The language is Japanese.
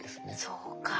そうか。